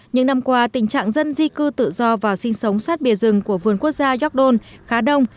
những năm qua tình trạng dân di cư tự do và sinh sống sát bìa rừng của vườn quốc gia york don khá đông